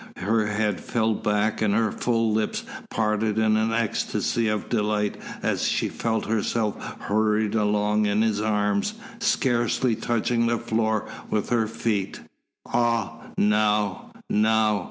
Her head fell back and her full lips parted in an ecstasy of delight as she felt herself hurried along in his arms, scarcely touching the floor with her feet. "Ah now now!